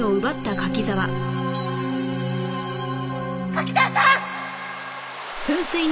柿沢さん！